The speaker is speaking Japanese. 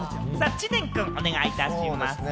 知念くん、お願いいたします。